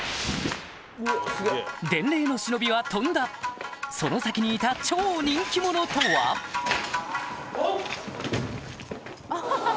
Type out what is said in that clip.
伝令の忍びは飛んだその先にいた超人気者とはおっ！